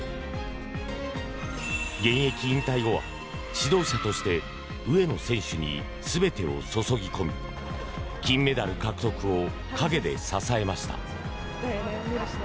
現役引退後は指導者として上野選手に全てを注ぎ込み金メダル獲得を陰で支えました。